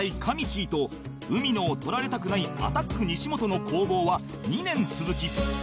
ちぃと海野をとられたくないアタック西本の攻防は２年続き